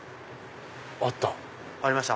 あった！